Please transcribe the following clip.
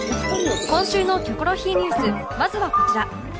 今週の『キョコロヒー』ニュースまずはこちら